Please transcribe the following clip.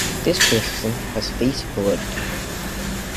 This criticism has face validity.